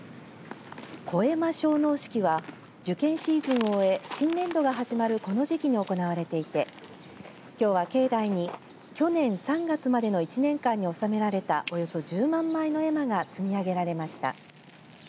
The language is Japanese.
古絵馬焼納式は受験シーズンを終え新年度が始まるこの時期に行われていてきょうは境内に去年３月までの一年間に納められたおよそ１０万枚の絵馬が積み上げられました。